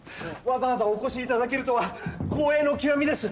わざわざお越し頂けるとは光栄の極みです。